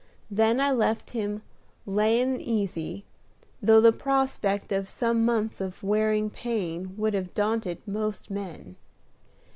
Then I left him "layin' easy," though the prospect of some months of wearing pain would have daunted most men.